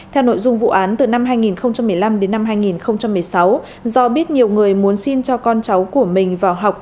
theo nội dung vụ án từ năm hai nghìn một mươi năm đến năm hai nghìn một mươi sáu do biết nhiều người muốn xin cho con cháu của mình vào học